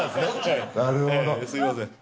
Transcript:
すみません。